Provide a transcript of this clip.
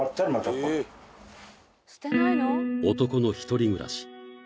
男の１人暮らし